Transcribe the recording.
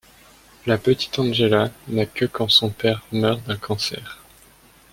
La petite Angela n'a que quand son père meurt d'un cancer.